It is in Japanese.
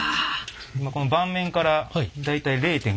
今この盤面から大体０．５ミリ。